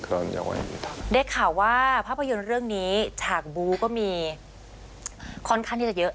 ได้ข่าวว่าภาพยนตร์เรื่องนี้ฉากบูก็มีค่อนข้างที่จะเยอะ